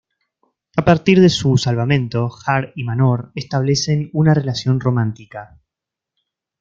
A partir de su salvamento, Har y Manor establecen una relación romántica.